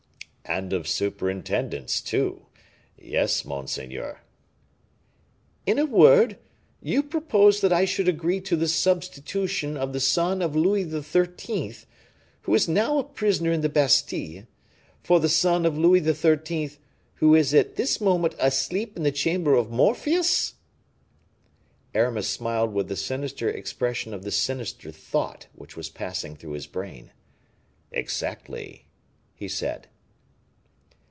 "And of superintendents, too; yes, monseigneur." "In a word, you propose that I should agree to the substitution of the son of Louis XIII., who is now a prisoner in the Bastile, for the son of Louis XIII., who is at this moment asleep in the Chamber of Morpheus?" Aramis smiled with the sinister expression of the sinister thought which was passing through his brain. "Exactly," he said.